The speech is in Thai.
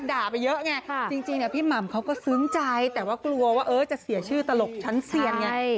ไปเยอะไงจริงพี่หม่ำเขาก็ซึ้งใจแต่ว่ากลัวว่าจะเสียชื่อตลกชั้นเซียนไง